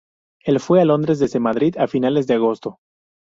Él fue a Londres desde Madrid a finales de agosto.